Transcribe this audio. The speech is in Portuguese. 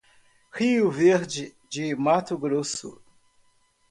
Rio Verde de Mato Grosso